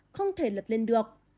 không thể lật lên được